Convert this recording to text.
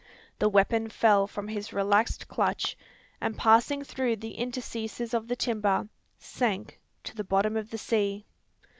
The weapon fell from his relaxed clutch; and passing through the interstices of the timber, sank to the bottom of the sea!